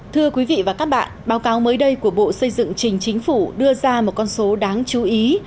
thưa quý vị và các bạn báo cáo mới đây của bộ xây dựng trình chính phủ đưa ra một con số đáng chú ý